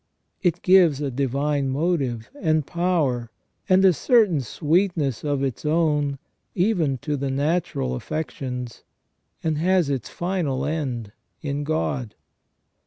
It gives a divine motive, and power, and a certain sweetness of its own even to the natural affections, and has its final end in God.